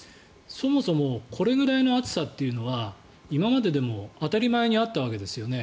そもそもこれくらいの暑さっていうのは今まででも当たり前にあったわけですよね。